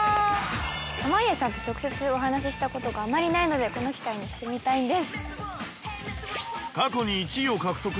濱家さんと直接お話ししたことがあまりないのでこの機会にしてみたいんです。